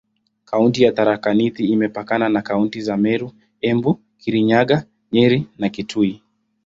Kaunti ya Tharaka Nithi imepakana na kaunti za Meru, Embu, Kirinyaga, Nyeri na Kitui.